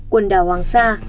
quần đảo hoàng sa